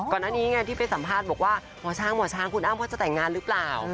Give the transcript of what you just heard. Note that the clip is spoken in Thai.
ก่อนหน้านี้ไงที่ไปสัมภาษณ์บอกว่าหมอช้างหมอช้างคุณอ้ำเขาจะแต่งงานหรือเปล่า